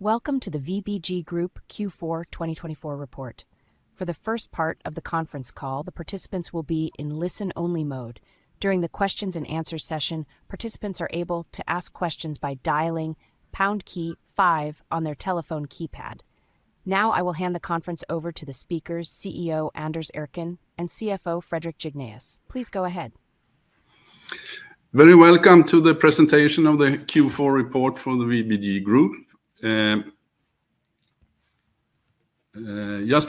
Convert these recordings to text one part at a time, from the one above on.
Welcome to the VBG Group Q4 2024 report. For the first part of the conference call, the participants will be in listen-only mode. During the Q&A session, participants are able to ask questions by dialing #5 on their telephone keypad. Now, I will hand the conference over to the speakers, CEO Anders Erkén and CFO Fredrik Jignéus. Please go ahead. Very welcome to the presentation of the Q4 report for the VBG Group. Just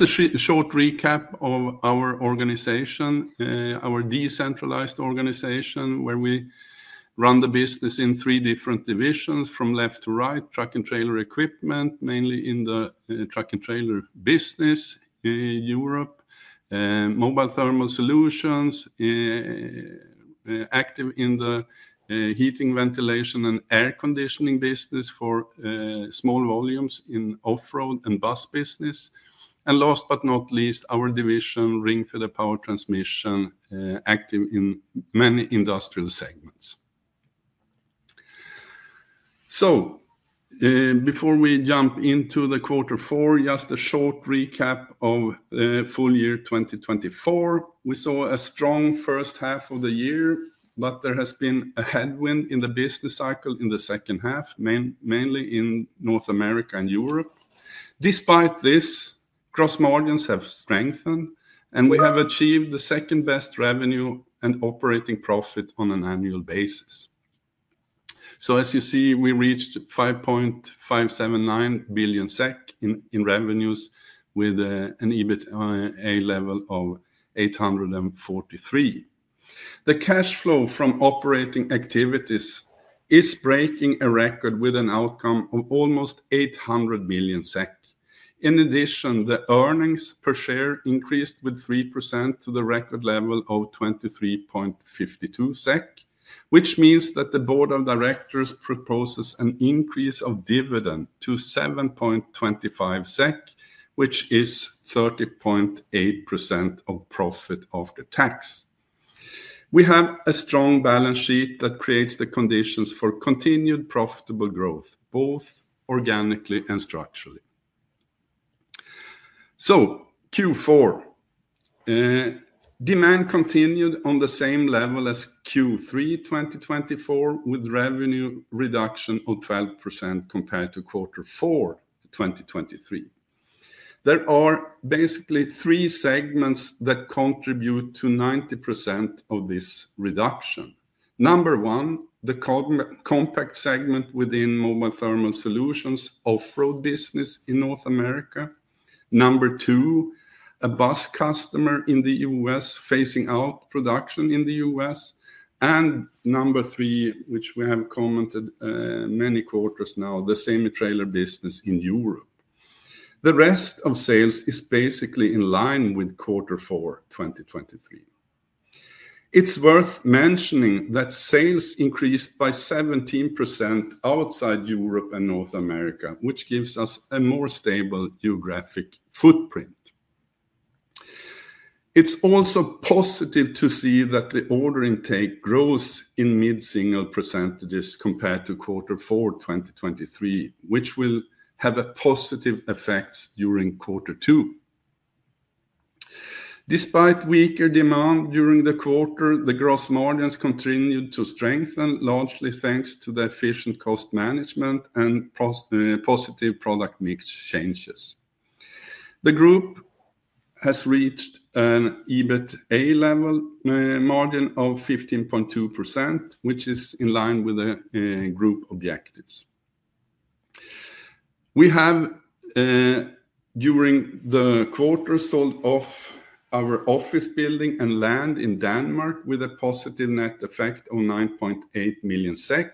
a short recap of our organization: a decentralized organization where we run the business in three different divisions, from left to right: Truck and Trailer Equipment, mainly in the truck and trailer business in Europe, Mobile Thermal Solutions, active in the heating, ventilation, and air conditioning business for small volumes in off-road and bus business, and last but not least, our division, Ringfeder Power Transmission, active in many industrial segments. So, before we jump into Q4, just a short recap of full year 2024. We saw a strong first half of the year, but there has been a headwind in the business cycle in the second half, mainly in North America and Europe. Despite this, gross margins have strengthened, and we have achieved the second-best revenue and operating profit on an annual basis. As you see, we reached 5.579 billion SEK in revenues, with an EBITDA level of 843. The cash flow from operating activities is breaking a record with an outcome of almost 800 billion SEK. In addition, the earnings per share increased with 3% to the record level of 23.52 SEK, which means that the board of directors proposes an increase of dividend to 7.25 SEK, which is 30.8% of profit after tax. We have a strong balance sheet that creates the conditions for continued profitable growth, both organically and structurally. Q4: demand continued on the same level as Q3 2024, with revenue reduction of 12% compared to Q4 2023. There are basically three segments that contribute to 90% of this reduction: number one, the compact segment within Mobile Thermal Solutions off-road business in North America; number two, a bus customer in the US phasing out production in the US; and number three, which we have commented on many quarters now, the semi-trailer business in Europe. The rest of sales is basically in line with Q4 2023. It's worth mentioning that sales increased by 17% outside Europe and North America, which gives us a more stable geographic footprint. It's also positive to see that the order intake grows in mid-single percentages compared to Q4 2023, which will have positive effects during Q2. Despite weaker demand during the quarter, the gross margins continued to strengthen, largely thanks to the efficient cost management and positive product mix changes. The group has reached an EBITDA level margin of 15.2%, which is in line with the group objectives. We have, during the quarter, sold off our office building and land in Denmark, with a positive net effect of 9.8 million SEK.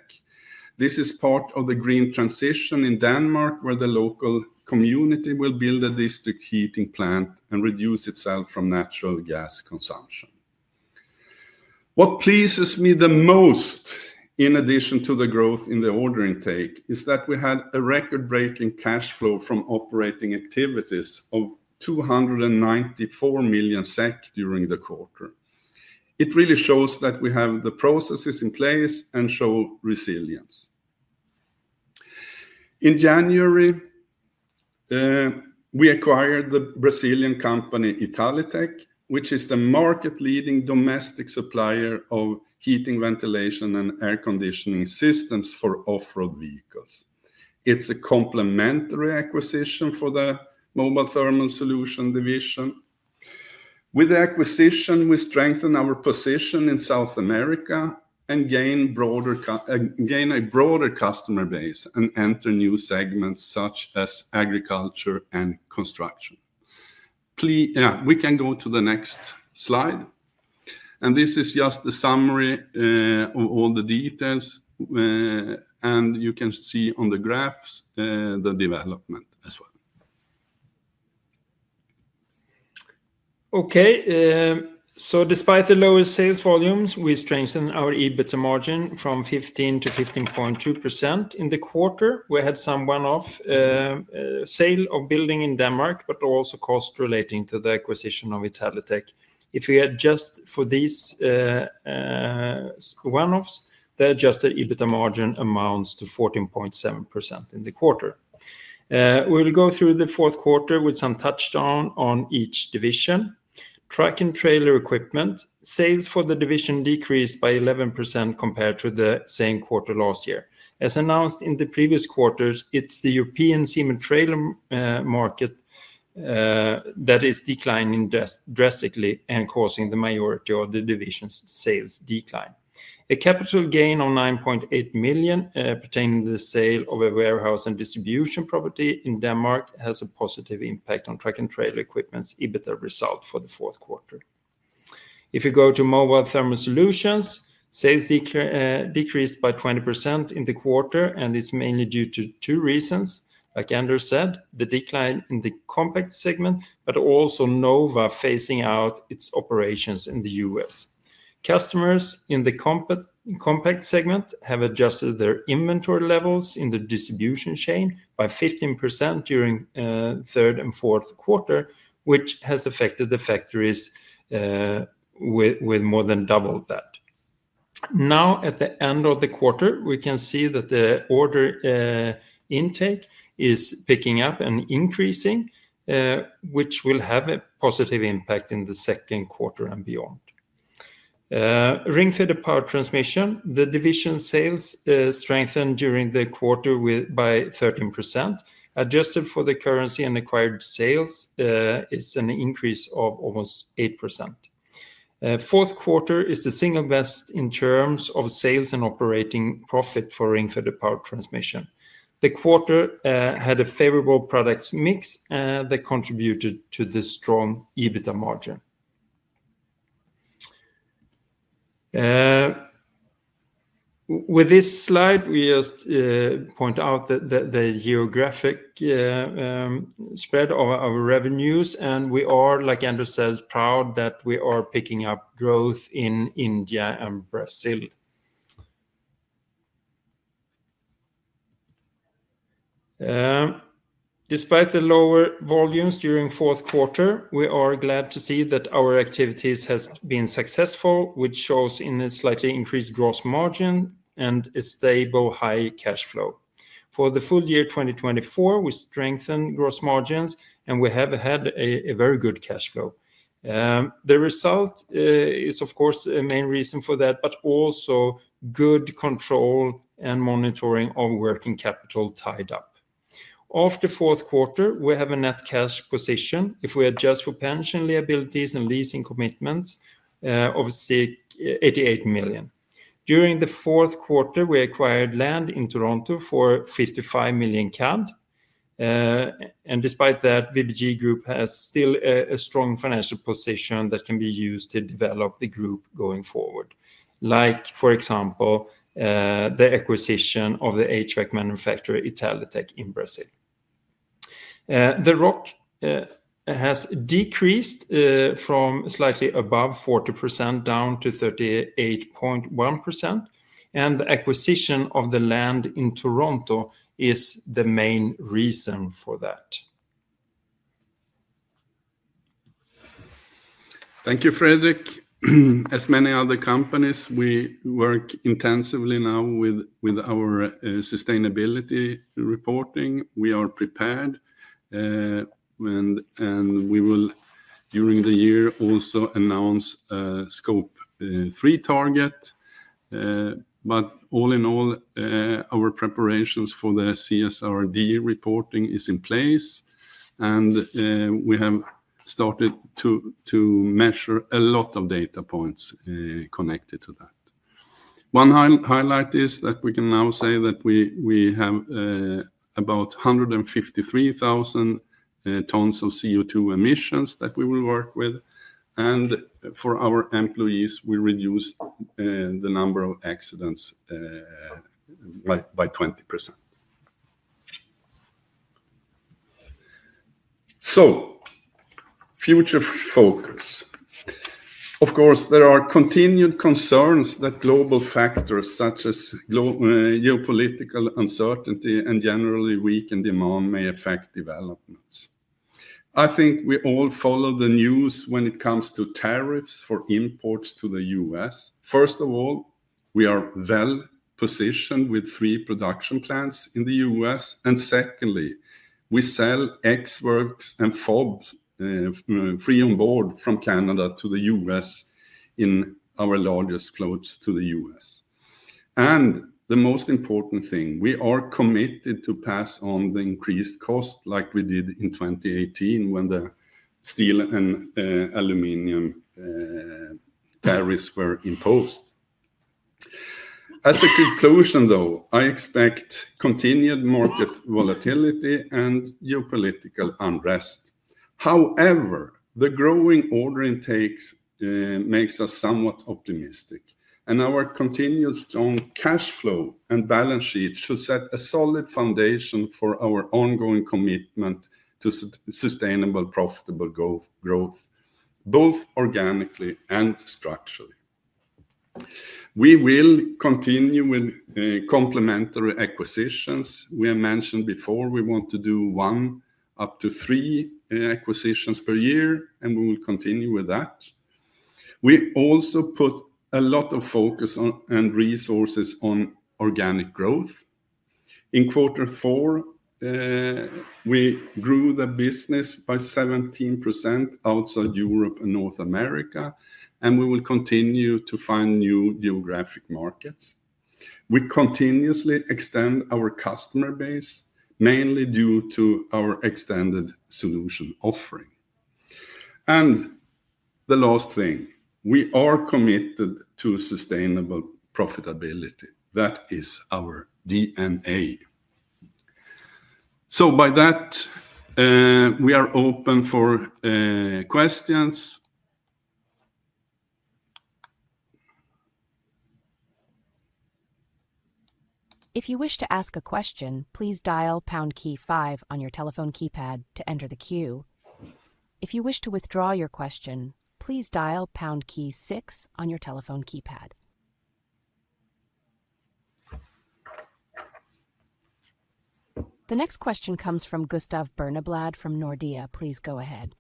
This is part of the green transition in Denmark, where the local community will build a district heating plant and reduce its reliance on natural gas consumption. What pleases me the most, in addition to the growth in the order intake, is that we had a record-breaking cash flow from operating activities of 294 million SEK during the quarter. It really shows that we have the processes in place and show resilience. In January, we acquired the Brazilian company Italitech, which is the market-leading domestic supplier of heating, ventilation, and air conditioning systems for off-road vehicles. It's a complementary acquisition for the Mobile Thermal Solutions division. With the acquisition, we strengthen our position in South America and gain a broader customer base and enter new segments such as agriculture and construction. We can go to the next slide, and this is just the summary of all the details, and you can see on the graphs the development as well. Okay, so despite the lower sales volumes, we strengthen our EBITDA margin from 15% to 15.2% in the quarter. We had some one-off sale of building in Denmark, but also cost relating to the acquisition of Italitech. If we adjust for these one-offs, the adjusted EBITDA margin amounts to 14.7% in the quarter. We will go through the fourth quarter with some touchdown on each division. Truck and Trailer Equipment sales for the division decreased by 11% compared to the same quarter last year. As announced in the previous quarters, it's the European semi-trailer market that is declining drastically and causing the majority of the division's sales decline. A capital gain of 9.8 million pertaining to the sale of a warehouse and distribution property in Denmark has a positive impact on Truck and Trailer Equipment's EBITDA result for the fourth quarter. If you go to Mobile Thermal Solutions, sales decreased by 20% in the quarter, and it's mainly due to two reasons, like Anders said, the decline in the compact segment, but also Nova Bus phasing out its operations in the U.S. Customers in the compact segment have adjusted their inventory levels in the distribution chain by 15% during third and fourth quarter, which has affected the factories with more than double that. Now, at the end of the quarter, we can see that the order intake is picking up and increasing, which will have a positive impact in the second quarter and beyond. Ringfeder Power Transmission, the division sales strengthened during the quarter by 13%. Adjusted for the currency and acquired sales, it's an increase of almost 8%. Fourth quarter is the single best in terms of sales and operating profit for Ringfeder Power Transmission. The quarter had a favorable products mix that contributed to the strong EBITDA margin. With this slide, we just point out that the geographic spread of our revenues, and we are, like Anders says, proud that we are picking up growth in India and Brazil. Despite the lower volumes during fourth quarter, we are glad to see that our activities have been successful, which shows in a slightly increased gross margin and a stable high cash flow. For the full year 2024, we strengthened gross margins, and we have had a very good cash flow. The result is, of course, a main reason for that, but also good control and monitoring of working capital tied up. After fourth quarter, we have a net cash position, if we adjust for pension liabilities and leasing commitments, of 88 million SEK. During the fourth quarter, we acquired land in Toronto for 55 million CAD. Despite that, VBG Group has still a strong financial position that can be used to develop the group going forward, like, for example, the acquisition of the HVAC manufacturer Italitech in Brazil. The ROC has decreased from slightly above 40% down to 38.1%, and the acquisition of the land in Toronto is the main reason for that. Thank you, Fredrik. As many other companies, we work intensively now with our sustainability reporting. We are prepared, and we will, during the year, also announce Scope 3 target, but all in all, our preparations for the CSRD reporting are in place, and we have started to measure a lot of data points connected to that. One highlight is that we can now say that we have about 153,000 tons of CO2 emissions that we will work with, and for our employees, we reduced the number of accidents by 20%. Future focus. Of course, there are continued concerns that global factors such as geopolitical uncertainty and generally weakened demand may affect developments. I think we all follow the news when it comes to tariffs for imports to the U.S. First of all, we are well positioned with three production plants in the U.S., and secondly, we sell ex-works and FOBs free on board from Canada to the U.S. in our largest volumes to the U.S., and the most important thing, we are committed to pass on the increased costs, like we did in 2018 when the steel and aluminum tariffs were imposed. As a conclusion, though, I expect continued market volatility and geopolitical unrest. However, the growing order intakes make us somewhat optimistic, and our continued strong cash flow and balance sheet should set a solid foundation for our ongoing commitment to sustainable profitable growth, both organically and structurally. We will continue with complementary acquisitions. We have mentioned before we want to do one to three acquisitions per year, and we will continue with that. We also put a lot of focus and resources on organic growth. In quarter four, we grew the business by 17% outside Europe and North America, and we will continue to find new geographic markets. We continuously extend our customer base, mainly due to our extended solution offering, and the last thing, we are committed to sustainable profitability. That is our DNA, so by that, we are open for questions. If you wish to ask a question, please dial pound key five on your telephone keypad to enter the queue. If you wish to withdraw your question, please dial pound key six on your telephone keypad. The next question comes from Gustav Berneblad from Nordea. Please go ahead.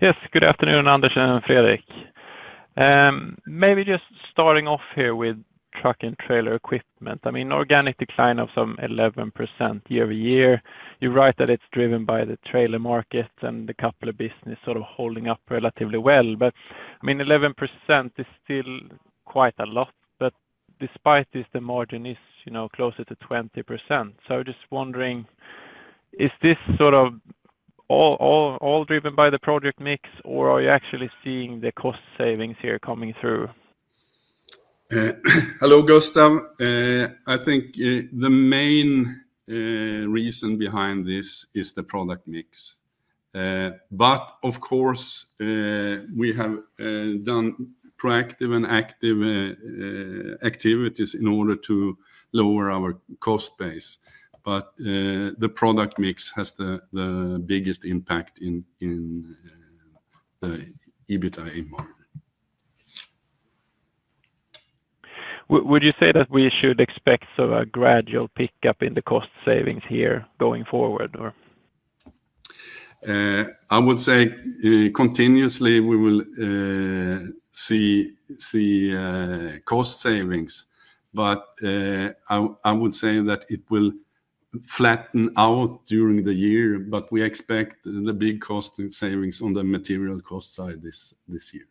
Yes, good afternoon, Anders Erkén and Fredrik Jignéus. Maybe just starting off here with Truck and Trailer Equipment. I mean, organic decline of some 11% year-over-year. You write that it's driven by the trailer market and the coupler business sort of holding up relatively well. But I mean, 11% is still quite a lot, but despite this, the margin is closer to 20%. So I'm just wondering, is this sort of all driven by the project mix, or are you actually seeing the cost savings here coming through? Hello, Gustav. I think the main reason behind this is the product mix. But of course, we have done proactive and active activities in order to lower our cost base. But the product mix has the biggest impact in the EBITDA margin. Would you say that we should expect a gradual pickup in the cost savings here going forward, or? I would say continuously we will see cost savings, but I would say that it will flatten out during the year, but we expect the big cost savings on the material cost side this year.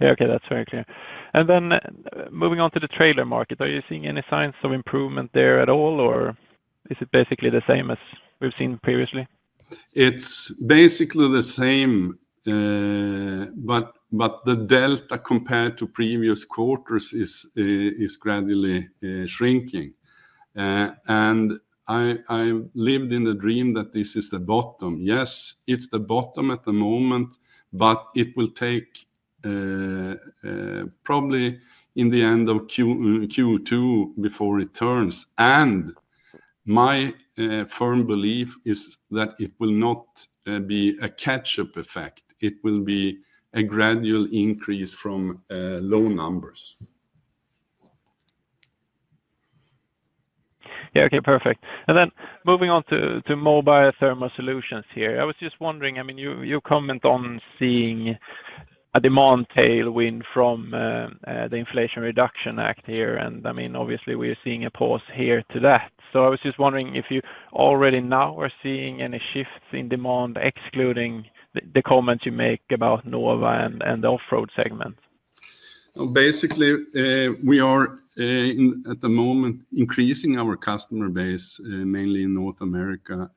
Yeah, okay, that's very clear. And then moving on to the trailer market, are you seeing any signs of improvement there at all, or is it basically the same as we've seen previously? It's basically the same, but the delta compared to previous quarters is gradually shrinking. And I lived in the dream that this is the bottom. Yes, it's the bottom at the moment, but it will take probably in the end of Q2 before it turns. And my firm belief is that it will not be a catch-up effect. It will be a gradual increase from low numbers. Yeah, okay, perfect. And then moving on to Mobile Thermal Solutions here, I was just wondering. I mean, you comment on seeing a demand tailwind from the Inflation Reduction Act here, and I mean, obviously we are seeing a pause here to that. So I was just wondering if you already now are seeing any shifts in demand, excluding the comments you make about Nova and the off-road segment. Basically, we are at the moment increasing our customer base, mainly in North America,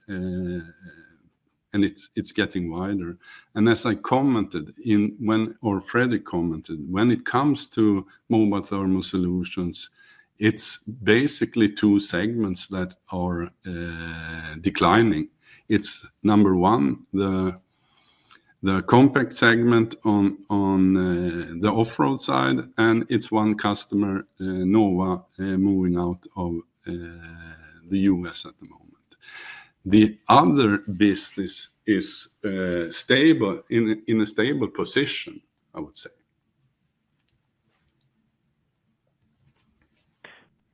and it's getting wider. And as I commented or Fredrik commented, when it comes to Mobile Thermal Solutions, it's basically two segments that are declining. It's number one, the compact segment on the off-road side, and it's one customer, Nova, moving out of the U.S. at the moment. The other business is stable in a stable position, I would say.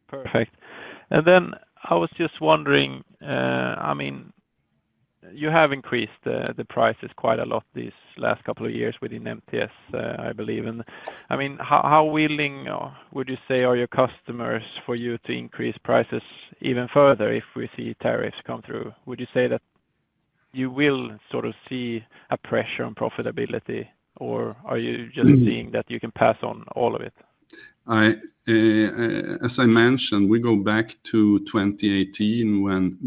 Perfect. And then I was just wondering, I mean, you have increased the prices quite a lot these last couple of years within MTS, I believe. I mean, how willing would you say are your customers for you to increase prices even further if we see tariffs come through? Would you say that you will sort of see a pressure on profitability, or are you just seeing that you can pass on all of it? As I mentioned, we go back to 2018 when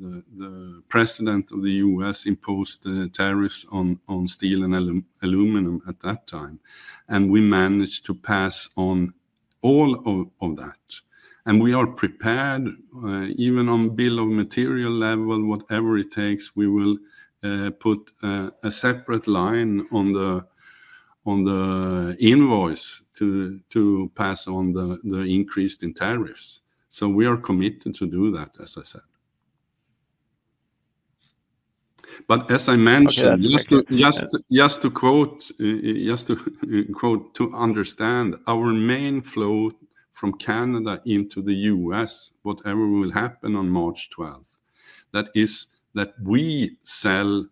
the president of the U.S. imposed tariffs on steel and aluminum at that time, and we managed to pass on all of that, and we are prepared, even on bill of material level, whatever it takes, we will put a separate line on the invoice to pass on the increase in tariffs. So we are committed to do that, as I said, but as I mentioned, just to quote to understand, our main flow from Canada into the U.S., whatever will happen on March 12th, that is that we sell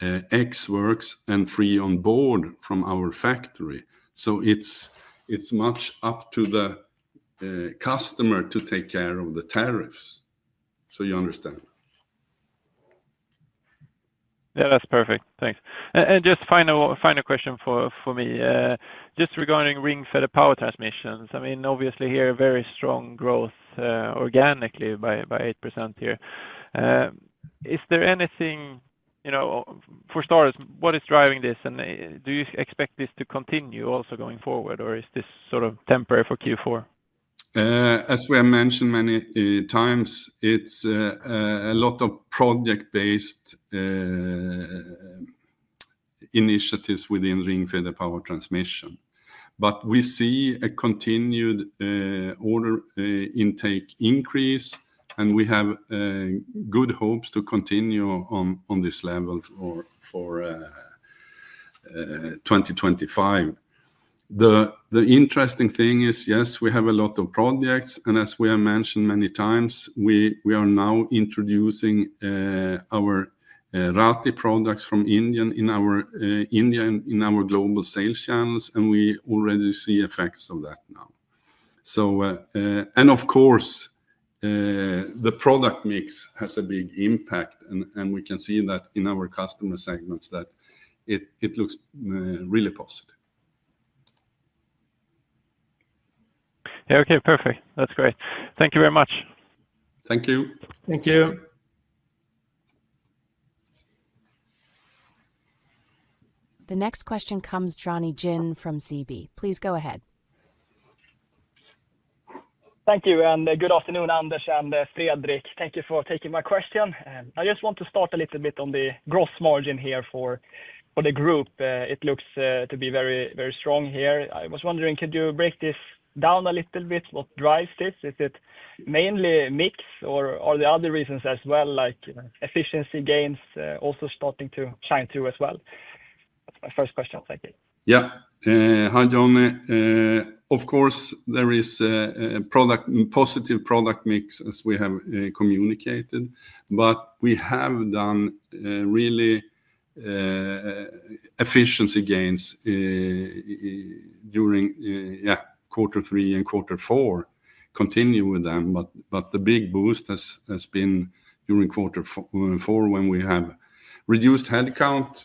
ex-works and free on board from our factory, so it's much up to the customer to take care of the tariffs, so you understand. Yeah, that's perfect. Thanks. And just final question for me, just regarding Ringfeder Power Transmission. I mean, obviously here, very strong growth organically by 8% here. Is there anything, for starters, what is driving this, and do you expect this to continue also going forward, or is this sort of temporary for Q4? As we have mentioned many times, it's a lot of project-based initiatives within Ringfeder Power Transmission. But we see a continued order intake increase, and we have good hopes to continue on this level for 2025. The interesting thing is, yes, we have a lot of projects, and as we have mentioned many times, we are now introducing our Rathi products from India in our global sales channels, and we already see effects of that now, and of course, the product mix has a big impact, and we can see that in our customer segments that it looks really positive. Yeah, okay, perfect. That's great. Thank you very much. Thank you. Thank you. The next question comes from Jonny Jin from SEB. Please go ahead. Thank you, and good afternoon, Anders and Fredrik. Thank you for taking my question. I just want to start a little bit on the gross margin here for the group. It looks to be very, very strong here. I was wondering, could you break this down a little bit? What drives this? Is it mainly mix, or are there other reasons as well, like efficiency gains also starting to shine through as well? That's my first question. Thank you. Yeah. Of course, there is a positive product mix, as we have communicated, but we have done really efficiency gains during quarter three and quarter four. Continue with them, but the big boost has been during quarter four when we have reduced headcount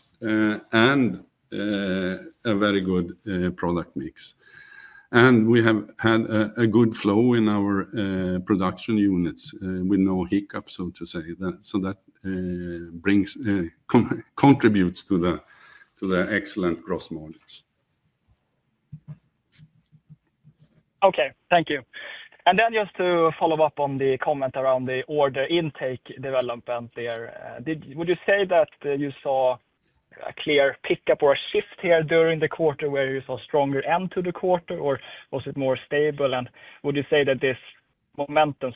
and a very good product mix, and we have had a good flow in our production units with no hiccups, so to say, so that contributes to the excellent gross margins. Okay, thank you, and then just to follow up on the comment around the order intake development there, would you say that you saw a clear pickup or a shift here during the quarter where you saw stronger end to the quarter, or was it more stable, and would you say that this momentum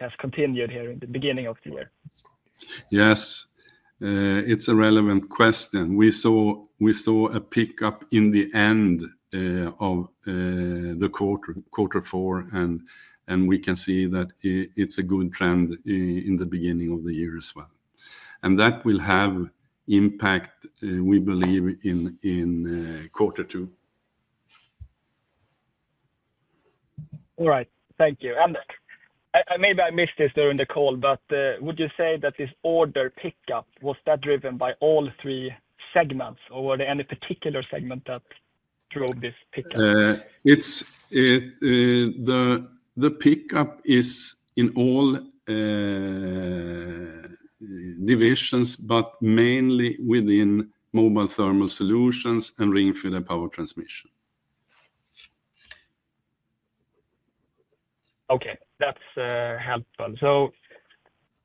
has continued here in the beginning of the year? Yes, it's a relevant question. We saw a pickup in the end of the quarter four, and we can see that it's a good trend in the beginning of the year as well, and that will have impact, we believe, in quarter two. All right, thank you. And maybe I missed this during the call, but would you say that this order pickup, was that driven by all three segments, or were there any particular segments that drove this pickup? The pickup is in all divisions, but mainly within Mobile Thermal Solutions and Ringfeder Power Transmission. Okay, that's helpful. So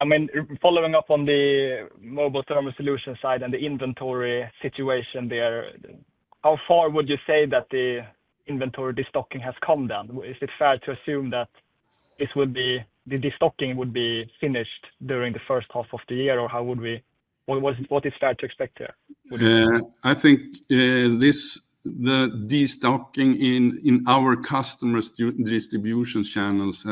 I mean, following up on the mobile thermal solution side and the inventory situation there, how far would you say that the inventory destocking has come then? Is it fair to assume that the destocking would be finished during the first half of the year, or how would we what is fair to expect here? I think the destocking in our customer distribution channels.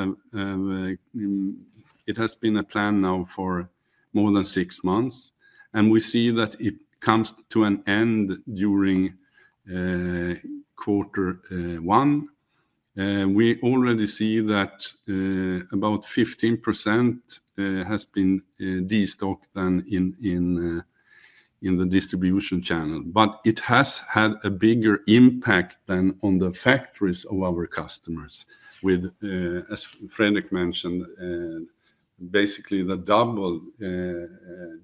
It has been a plan now for more than six months, and we see that it comes to an end during quarter one. We already see that about 15% has been destocked in the distribution channel, but it has had a bigger impact than on the factories of our customers, with, as Fredrik mentioned, basically the double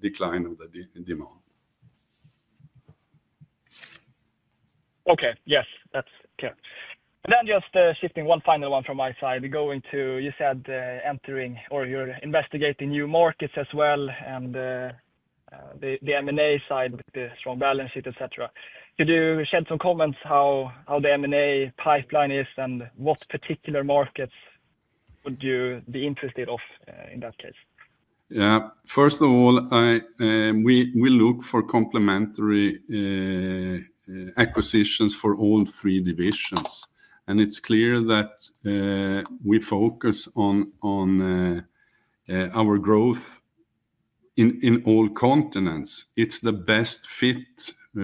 decline of the demand. Okay, yes, that's clear. And then just shifting one final one from my side, going to, you said entering or you're investigating new markets as well, and the M&A side with the strong balance sheet, etc. Could you shed some comments on how the M&A pipeline is, and what particular markets would you be interested in that case? Yeah, first of all, we look for complementary acquisitions for all three divisions, and it's clear that we focus on our growth in all continents. It's the best fit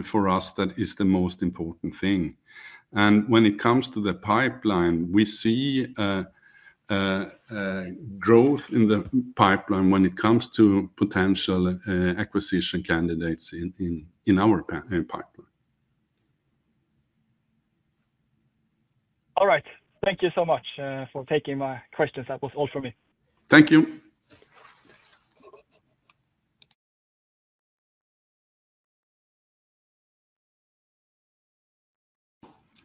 for us that is the most important thing. And when it comes to the pipeline, we see growth in the pipeline when it comes to potential acquisition candidates in our pipeline. All right, thank you so much for taking my questions. That was all for me. Thank you.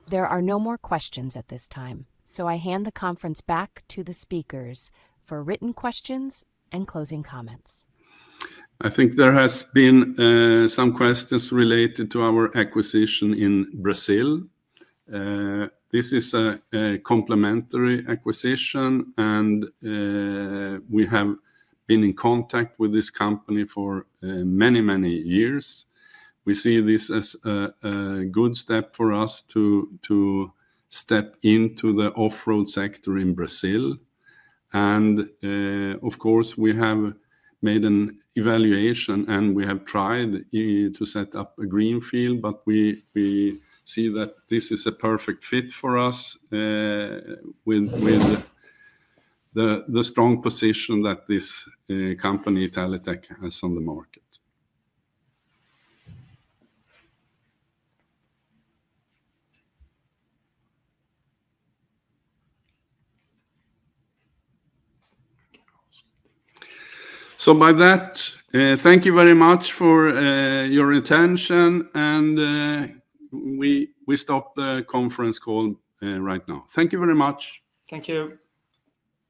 There are no more questions at this time, so I hand the conference back to the speakers for written questions and closing comments. I think there have been some questions related to our acquisition in Brazil. This is a complementary acquisition, and we have been in contact with this company for many, many years. We see this as a good step for us to step into the off-road sector in Brazil. And of course, we have made an evaluation, and we have tried to set up a greenfield, but we see that this is a perfect fit for us with the strong position that this company, Italytec, has on the market. So by that, thank you very much for your attention, and we stop the conference call right now. Thank you very much. Thank you.